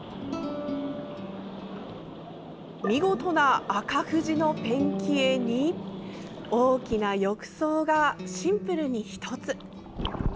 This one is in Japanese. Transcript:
見事な赤富士のペンキ絵に大きな浴槽がシンプルに１つ。